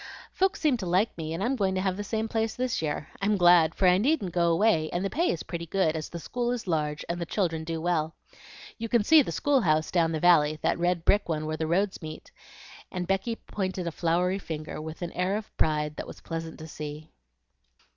Folks seemed to like me, and I'm going to have the same place this year. I'm so glad, for I needn't go away and the pay is pretty good, as the school is large and the children do well. You can see the school house down the valley, that red brick one where the roads meet;" and Becky pointed a floury finger, with an air of pride that was pleasant to see.